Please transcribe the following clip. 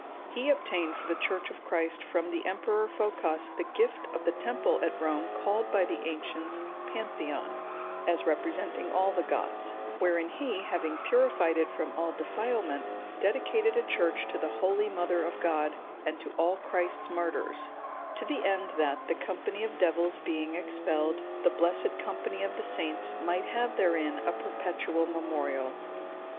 He obtained for the Church of Christ from the Emperor Phocas the gift of the temple at Rome called by the ancients Pantheon, as representing all the gods; wherein he, having purified it from all defilement, dedicated a church to the holy Mother of God, and to all Christ's martyrs, to the end that, the company of devils being expelled, the blessed company of the saints might have therein a perpetual memorial.